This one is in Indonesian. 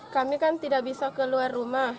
kami kan tidak bisa keluar rumah